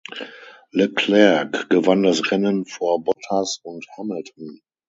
Leclerc gewann das Rennen vor Bottas und Hamilton.